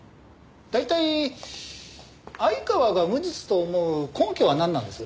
大体相川が無実と思う根拠はなんなんです？